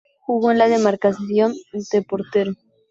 Jugó en la demarcación de portero.